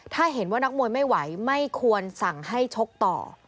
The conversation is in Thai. ถ้าเห็นว่านักมวยไม่ไหวไม่ควรสั่งให้ชกต่อ